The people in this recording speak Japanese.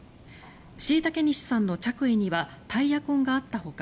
後嵩西さんの着衣にはタイヤ痕があったほか